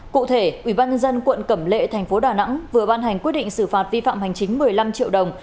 cụ thể ubnd quận cẩm lệ thành phố đà nẵng vừa ban hành quyết định xử phạt vi phạm hành chính một mươi năm triệu đồng